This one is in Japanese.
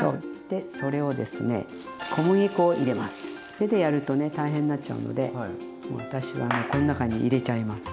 手でやるとね大変になっちゃうので私はもうこの中に入れちゃいます。